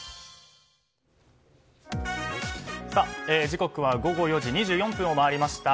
時刻は午後４時２４分を回りました。